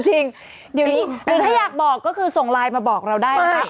จริงเดี๋ยวนี้หรือถ้าอยากบอกก็คือส่งไลน์มาบอกเราได้นะคะ